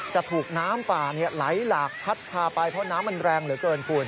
จะถูกน้ำป่าไหลหลากพัดพาไปเพราะน้ำมันแรงเหลือเกินคุณ